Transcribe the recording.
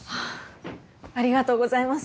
ありがとうございます。